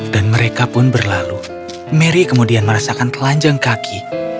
dan mereka pun berlalu mary kemudian merasakan telanjang kaki